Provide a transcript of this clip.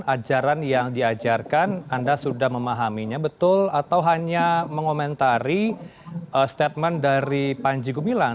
ajaran yang diajarkan anda sudah memahaminya betul atau hanya mengomentari statement dari panji gumilang